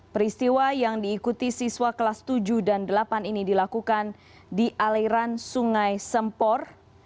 peristiwa yang diikuti siswa kelas tujuh dan delapan ini dilakukan di aliran sungai sempor